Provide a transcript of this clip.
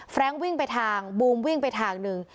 รงค์วิ่งไปทางบูมวิ่งไปทางหนึ่ง